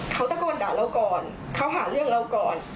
เขาตะโกนด่าเราก่อนเขาหาเรื่องเราก่อน